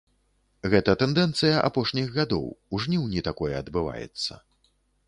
Гэта тэндэнцыя апошніх гадоў, у жніўні такое адбываецца.